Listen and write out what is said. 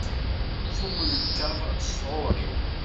Ttumellkeɣ s tɣuri.